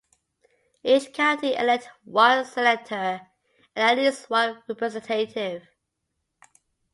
Each county elected one senator and at least one representative.